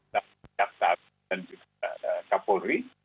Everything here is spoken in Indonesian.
di bawah kapolri